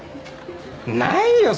ないよ